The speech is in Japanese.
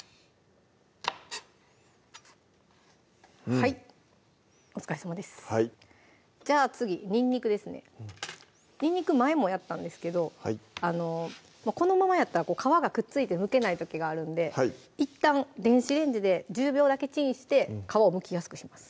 はいお疲れさまですじゃあ次にんにくですねにんにく前もやったんですけどこのままやったら皮がくっついてむけない時があるんでいったん電子レンジで１０秒だけチンして皮をむきやすくします